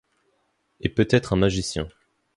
Et peut-être un magicien.